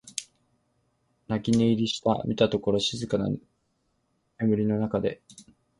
泣き寝入りした、見たところ静かな眠りのなかで、最初のしわがブランコ乗りのすべすべした子供のような額の上に刻まれ始めているのを見るように思った。